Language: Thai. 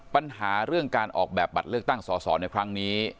ปัญหาเรื่องการออกแบบบัตรเลือกตั้งสอสอในครั้งนี้